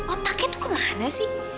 otaknya tuh kemana sih